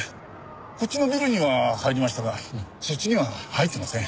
こっちのビルには入りましたがそっちには入ってません。